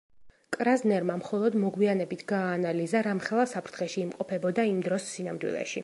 კრაზნერმა მხოლოდ მოგვიანებით გააანალიზა, რამხელა საფრთხეში იმყოფებოდა იმ დროს სინამდვილეში.